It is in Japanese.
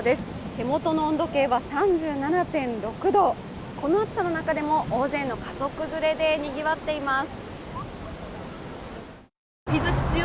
手元の温度計は３７．６度、この暑さの中でも大勢の家族連れでにぎわっています。